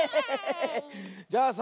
じゃあさ